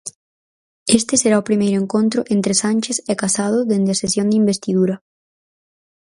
Este será o primeiro encontro entre Sánchez e Casado dende a sesión de investidura.